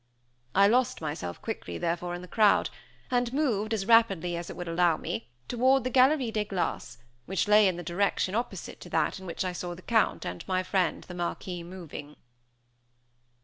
I lost myself quickly, therefore, in the crowd, and moved, as rapidly as it would allow me, toward the Galerie des Glaces, which lay in the direction opposite to that in which I saw the Count and my friend the Marquis moving.